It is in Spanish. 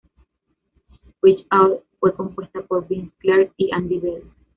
Reach Out fue compuesta por Vince Clarke y Andy Bell.